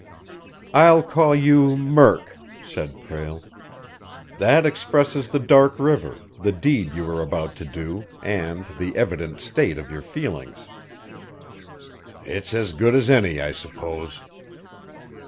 "I'll call you Murk," said Prale. "That expresses the dark river, the deed you were about to do, and the evident state of your feelings." "It's as good as any, I suppose."